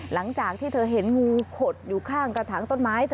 หลังจากที่เธอเห็นงูขดอยู่ข้างกระถางต้นไม้